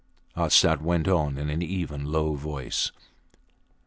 Arsat went on in an even, low voice.